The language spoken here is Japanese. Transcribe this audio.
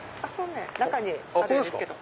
中にあるんですけど。